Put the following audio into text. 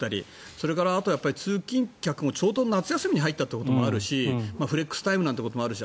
それから、通勤客もちょうど夏休みに入ったということもあるしフレックスタイムなんてこともあるし